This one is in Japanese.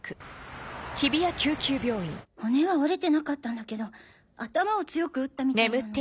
骨は折れてなかったんだけど頭を強く打ったみたいなの。